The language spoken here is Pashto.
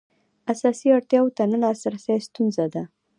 اساسي اړتیاوو ته نه لاسرسی ستونزه ده.